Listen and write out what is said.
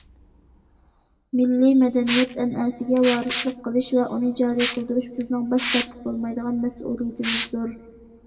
مىللىي مەدەنىيەت ئەنئەنىسىگە ۋارىسلىق قىلىش ۋە ئۇنى جارى قىلدۇرۇش بىزنىڭ باش تارتىپ بولمايدىغان مەسئۇلىيىتىمىزدۇر.